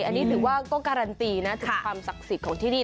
อันนี้ถือว่าก็การันตีนะถึงความศักดิ์สิทธิ์ของที่นี่